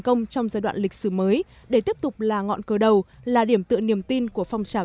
công trong giai đoạn lịch sử mới để tiếp tục là ngọn cơ đầu là điểm tựa niềm tin của phong trào